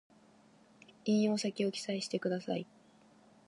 引用先を記載してください